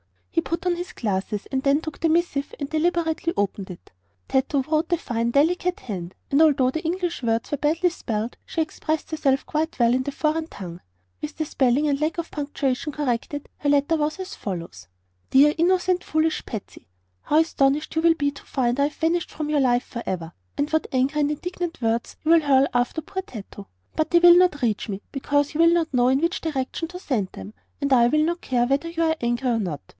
He put on his glasses and then took the missive and deliberately opened it. Tato wrote a fine, delicate hand, and although the English words were badly spelled she expressed herself quite well in the foreign tongue. With the spelling and lack of punctuation corrected, her letter was as follows: "Dear, innocent, foolish Patsy: How astonished you will be to find I have vanished from your life forever; and what angry and indignant words you will hurl after poor Tato! But they will not reach me, because you will not know in which direction to send them, and I will not care whether you are angry or not.